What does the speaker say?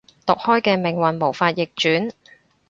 毒開嘅命運無法逆轉